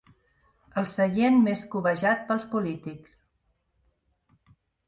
El seient més cobejat pels polítics.